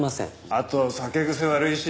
あと酒癖悪いし。